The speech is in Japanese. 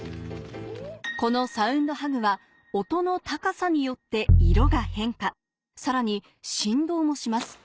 このサウンドハグは音の高さによって色が変化さらに振動もします